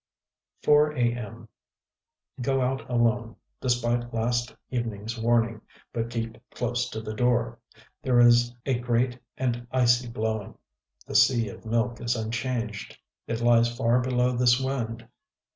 4. a. m. Go out alone, despite last eveningŌĆÖs warning, but keep close to the door. There is a great and icy blowing. The Sea of Milk is unchanged: it lies far below this wind.